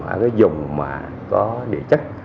ở cái vùng mà có địa chất